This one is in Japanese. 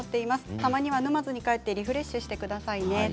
たまには沼津に帰ってリフレッシュしてくださいね。